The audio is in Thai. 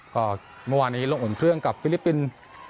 ก็เมื่อวานนี้ลงอุ่นเครื่องกับฟิลิปปินส์